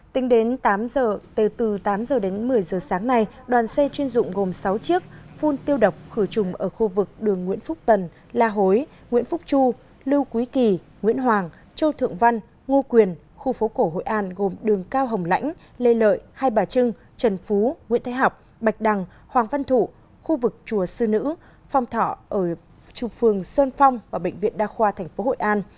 tính đến tám h từ tám h đến một mươi h sáng nay đoàn xe chuyên dụng gồm sáu chiếc phun tiêu độc khử trùng ở khu vực đường nguyễn phúc tần la hối nguyễn phúc chu lưu quý kỳ nguyễn hoàng châu thượng văn ngo quyền khu phố cổ hội an gồm đường cao hồng lãnh lê lợi hai bà trưng trần phú nguyễn thái học bạch đằng hoàng văn thụ khu vực chùa sư nữ phong thọ ở trung phương sơn phong và bệnh viện đa khoa tp hội an